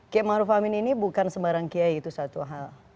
kiai ma'ruw amin ini bukan sembarang kiai itu satu hal